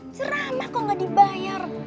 ceramah kok gak dibayar